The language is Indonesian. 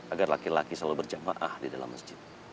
agar laki laki selalu berjamaah di dalam masjid